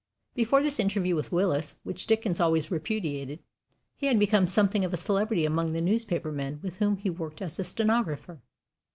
Before this interview with Willis, which Dickens always repudiated, he had become something of a celebrity among the newspaper men with whom he worked as a stenographer.